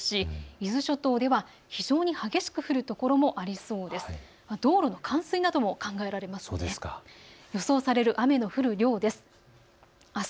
伊豆諸島では非常に激しく雨の降る所もありそうです。